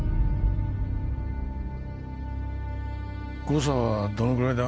誤差はどのぐらいだ？